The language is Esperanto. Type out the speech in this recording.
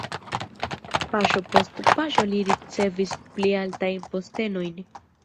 Paŝo post paŝo li ricevis pli altajn postenojn.